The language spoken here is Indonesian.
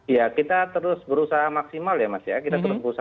ya kita terus berusaha maksimal ya mas ya